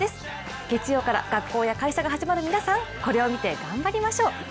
月曜から学校や会社が始まる皆さん、これを見て頑張りましょう！